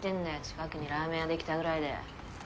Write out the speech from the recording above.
近くにラーメン屋出来たぐらいで。